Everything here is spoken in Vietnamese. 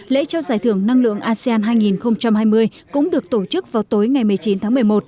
lễ trao giải thưởng năng lượng asean hai nghìn hai mươi cũng được tổ chức vào tối ngày một mươi chín tháng một mươi một